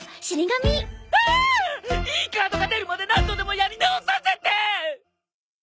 いいカードが出るまで何度でもやり直させて！